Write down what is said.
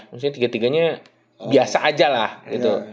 maksudnya tiga tiganya biasa aja lah gitu